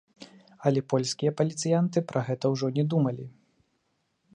Але польскія паліцыянты пра гэта ўжо не думалі.